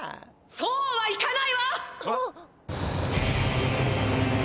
「そうはいかないわ！」。